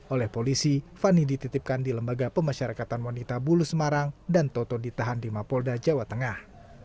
oleh polisi fani dititipkan di lembaga pemasyarakatan wanita bulu semarang dan toto ditahan di mapolda jawa tengah